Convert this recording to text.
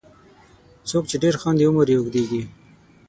• څوک چې ډېر خاندي، عمر یې اوږدیږي.